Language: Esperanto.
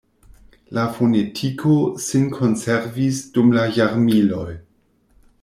La fonetiko sin konservis dum la jarmiloj.